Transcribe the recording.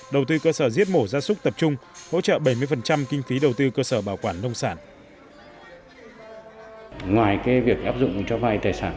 đầu tư cơ sở giết mổ ra súc tập trung hỗ trợ bảy mươi kinh phí đầu tư cơ sở bảo quản nông sản